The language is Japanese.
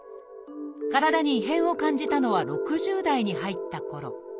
体に異変を感じたのは６０代に入ったころ。